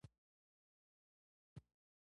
الماري کې ځینې خلک خپل خاطرات ساتي